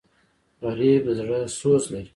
غریب د زړه سوز لري